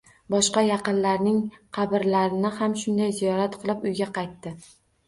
Boshqa yaqinlarining qabrlarini ham shunday ziyorat qilib, uyga qaytdi.